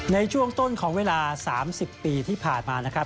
ในช่วงต้นของเวลา๓๐ปีที่ผ่านมานะครับ